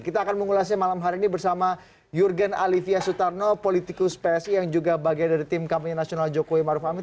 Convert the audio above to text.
kita akan mengulasnya malam hari ini bersama jurgen alivia sutarno politikus psi yang juga bagian dari tim kampanye nasional jokowi maruf amin